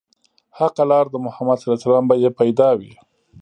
حقه لار د محمد ص به يې پيدا وي